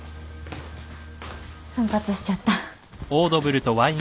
奮発しちゃった。